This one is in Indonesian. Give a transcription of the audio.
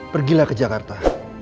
pergilah ke jakarta